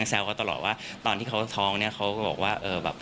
ยังแซวเขาตลอดว่าตอนที่เขาท้องเขาก็บอกว่า